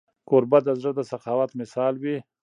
کوربه د زړه د سخاوت مثال وي.